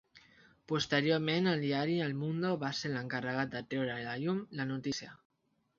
Posteriorment el diari El Mundo va ser l'encarregat de treure a la llum la notícia.